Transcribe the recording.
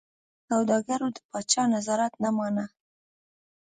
انګرېزي سوداګرو د پاچا نظارت نه مانه.